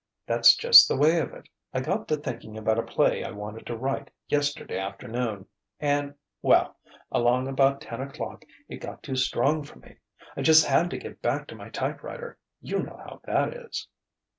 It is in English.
"That's just the way of it. I got to thinking about a play I wanted to write, yesterday afternoon, and well, along about ten o'clock it got too strong for me. I just had to get back to my typewriter. You know how that is."